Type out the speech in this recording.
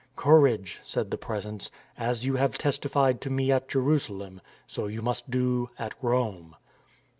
" Courage !" said the Presence. " As you have testified to me at Jerusalem, so you must do at Rome."